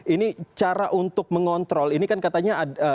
ini cara untuk mengontrol ini kan katanya